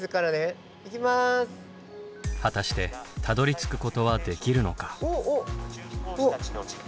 果たしてたどりつくことはできるのか？